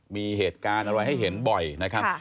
มีเหตุการณ์อะไรให้เห็นบ่อยนะครับ